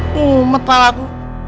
ngumet pala aku